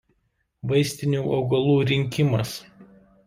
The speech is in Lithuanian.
Vaistinių augalų rinkimas.